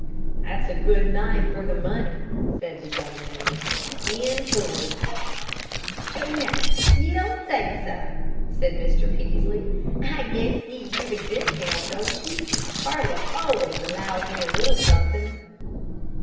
"That's a good knife for the money," said that young man. "Hand forged." "Sho now, ye don't say so," said Mr. Peaslee. "I guess ye give a discount, don't ye? Farley always allows me a little suthin'."